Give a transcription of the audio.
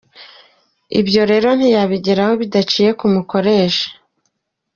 Ibyo rero ntiyabigeraho bidaciye ku mukoresha.